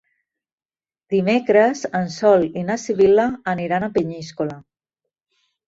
Dimecres en Sol i na Sibil·la aniran a Peníscola.